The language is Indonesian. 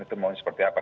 itu mau seperti apa